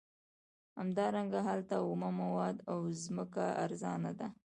همدارنګه هلته اومه مواد او ځمکه ارزانه ده